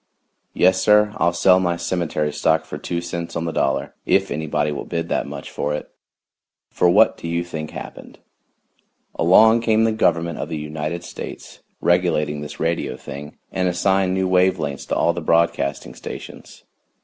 Yes, sir, I'll sell my cemetery stock for two cents on the dollar, if anybody will bid that much for it. For what do you think happened? Along came the Government of the United States, regulating this radio thing, and assigned new wave lengths to all the broadcasting stations.